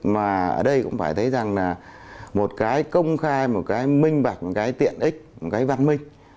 mà ở đây cũng phải thấy rằng một cái công khai một cái minh bạch một cái tiện ích một cái văn minh